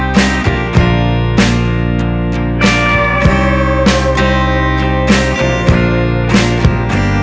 terima kasih banyak om tante